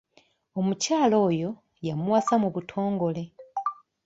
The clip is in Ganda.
Omukyala oyo yamuwasa mu butongole.